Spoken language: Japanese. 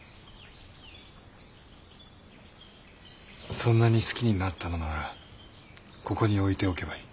そんなに好きになったのならここに置いておけばいい。